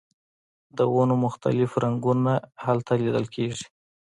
د ونو مختلف رنګونه هلته لیدل کیږي